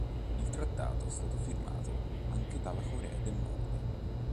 Il trattato è stato firmato anche dalla Corea del Nord.